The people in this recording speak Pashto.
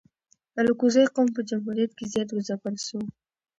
الکوزي قوم په جمهوریت کی زیات و ځپل سو